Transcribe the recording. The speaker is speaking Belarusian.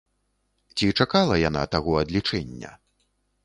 Ці чакала яна таго адлічэння?